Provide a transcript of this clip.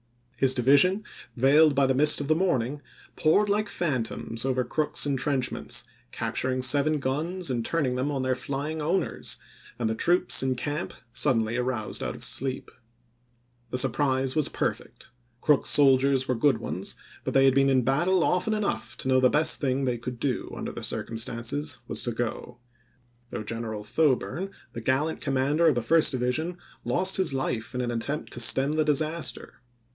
His division, veiled by the mist of the morning, poured like phantoms over Crook's in trenchments, capturing seven guns and turning them on their flying owners, and the troops in camp suddenly aroused out of sleep. The surprise was perfect ; x Crook's soldiers were good ones, but they had been in battle often enough to know the best thing they could do, under the circumstances, was to go ; though General Thoburn, the gallant commander of the first division, lost his life in an attempt to stem the disaster.